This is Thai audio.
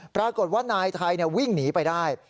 ปรากฏว่านายไทยวิ่งหนีไปได้